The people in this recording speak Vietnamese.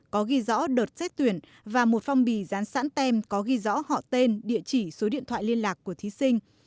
có ghi rõ đợt xét tuyển và một phong bì dán sẵn tem có ghi rõ họ tên địa chỉ số điện thoại liên lạc của thí sinh